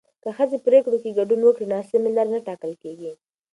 که ښځې پرېکړو کې ګډون وکړي، ناسمې لارې نه ټاکل کېږي.